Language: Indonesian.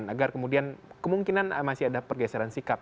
agar kemudian kemungkinan masih ada pergeseran sikap